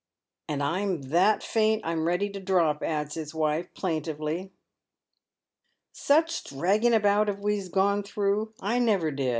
" And I'm that faint I'm ready to drop," adds his wife, plaintively. "Such dragging about as we've gone thi ough, I never did.